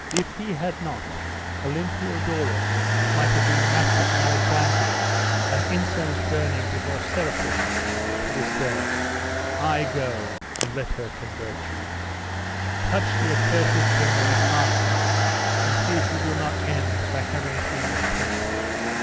If he had not, Olympiodorus might have been master of Alexandria, and incense burning before Serapis to this day. Ay, go, and let her convert you! Touch the accursed thing, like Achan, and see if you do not end by having it in your tent.